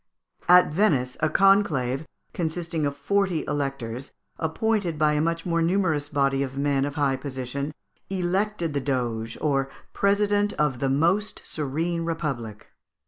At Venice, a conclave, consisting of forty electors, appointed by a much more numerous body of men of high position, elected the Doge, or president of the most serene Republic.